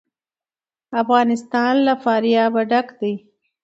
افغانستان له فاریاب ډک دی.